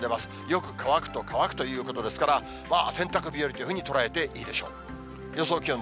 よく乾くと乾くということですから、洗濯日和というふうに捉えていいでしょう。